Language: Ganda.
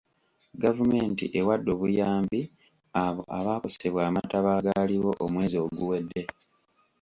Gavumenti ewadde obuyambi abo abaakosebwa amataba agaaliwo omwezi oguwedde.